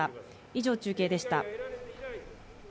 以上、中継でした。